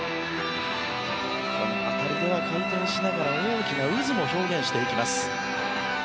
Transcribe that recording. この辺りでは、回転しながら大きな渦も表現していきます。